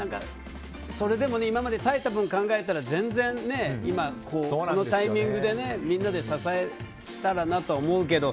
それでも今まで耐えた分を考えたら全然、今このタイミングでみんなで支えられたらなと思うけど。